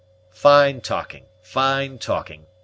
"Fine talking, fine talking!"